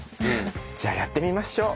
じゃあやってみましょう。